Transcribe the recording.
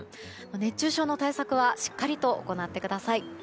熱中症の対策はしっかりと行ってください。